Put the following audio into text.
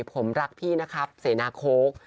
ผมรักพี่นะครับเสนาโค้ก